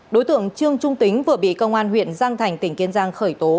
đối tượng trương trung tính vừa bị công an huyện giang thành tỉnh kiên giang khởi tố